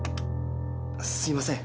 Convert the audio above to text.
すみません。